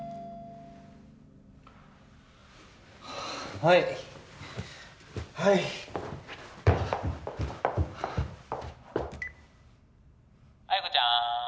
はいはい彩子ちゃーん